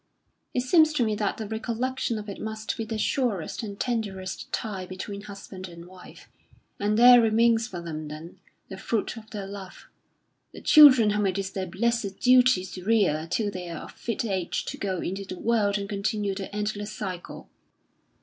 It seems to me that the recollection of it must be the surest and tenderest tie between husband and wife; and there remains for them, then, the fruit of their love, the children whom it is their blessed duty to rear till they are of fit age to go into the world and continue the endless cycle."